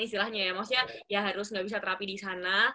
istilahnya ya maksudnya ya harus nggak bisa terapi di sana